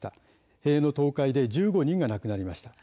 塀の倒壊で１５人が亡くなりました。